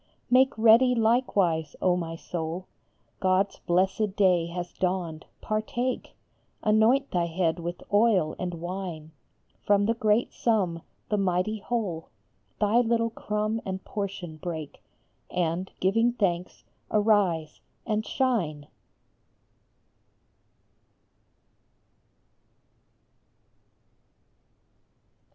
Make ready likewise, O my soul ! God s blessed day has dawned ; partake ! Anoint thy head with oil and wine ; From the great sum, the mighty whole, Thy little crumb and portion break, And, giving thanks, arise and shine